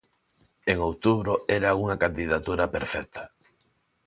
En outubro era unha candidatura perfecta.